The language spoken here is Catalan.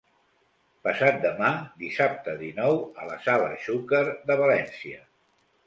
Passat demà, dissabte dinou, a la Sala Xúquer de València.